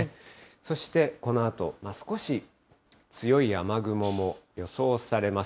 そしてこのあと、少し強い雨雲も予想されます。